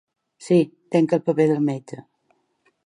Si, tinc el paper del metge.